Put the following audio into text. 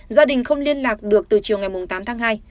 gia đình không liên lạc được từ chiều ngày tám tháng hai